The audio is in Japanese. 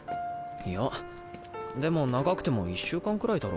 いやでも長くても１週間くらいだろ。